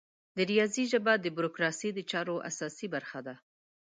د ریاضي ژبه د بروکراسي د چارو اساسي برخه ده.